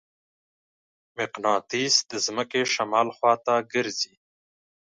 مقناطیس د ځمکې شمال خواته ګرځي.